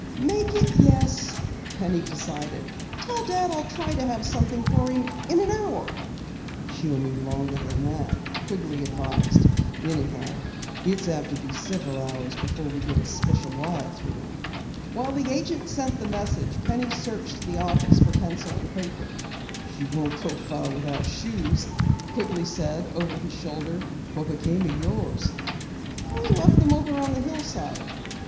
"Make it 'yes,'" Penny decided. "Tell Dad I'll try to have something for him in an hour." "You'll need longer than that," Quigley advised. "Anyhow, it's apt to be several hours before we get a special wire through." While the agent sent the message, Penny searched the office for pencil and paper. "You won't get far without shoes," Quigley said over his shoulder. "What became of yours?" "Left them over on the hillside."